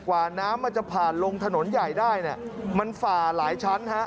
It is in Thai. กว่าน้ำมันจะผ่านลงถนนใหญ่ได้เนี่ยมันฝ่าหลายชั้นฮะ